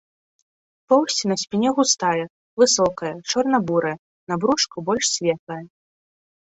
Поўсць на спіне густая, высокая, чорна-бурая, на брушку больш светлая.